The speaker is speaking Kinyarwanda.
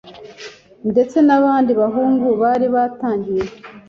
Ndetse n’abandi bahungu bari batangiye